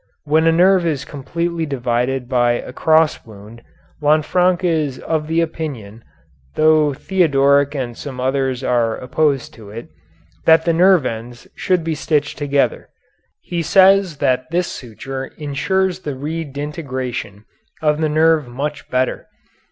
When a nerve is completely divided by a cross wound Lanfranc is of the opinion, though Theodoric and some others are opposed to it, that the nerve ends should be stitched together. He says that this suture insures the redintegration of the nerve much better.